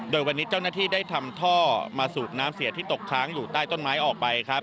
โดยวันนี้เจ้าหน้าที่ได้ทำท่อมาสูบน้ำเสียที่ตกค้างอยู่ใต้ต้นไม้ออกไปครับ